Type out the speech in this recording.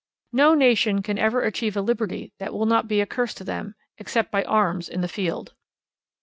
No nation can ever achieve a liberty that will not be a curse to them, except by arms in the field.